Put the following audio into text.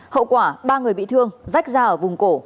hậu quả ba người bị thương rách ra ở vùng cổ